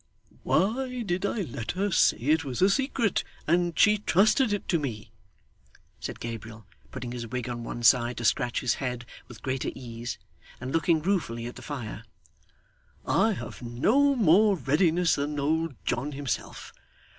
'Why did I let her say it was a secret, and she trusted it to me!' said Gabriel, putting his wig on one side to scratch his head with greater ease, and looking ruefully at the fire. 'I have no more readiness than old John himself.